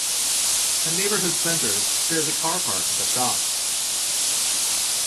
A Neighbourhood Centre shares a car park with the shops.